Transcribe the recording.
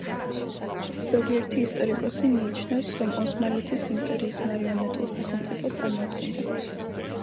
ზოგიერთი ისტორიკოსი მიიჩნევს, რომ ოსმალეთის იმპერიის მარიონეტულ სახელმწიფოს წარმოადგენდა.